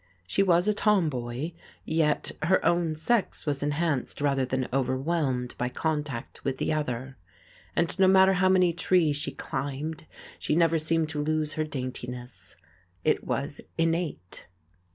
She was a tomboy, yet her own sex was enhanced rather than overwhelmed by contact with the other: and no matter how many trees she climbed she never seemed to lose her daintiness. It was innate.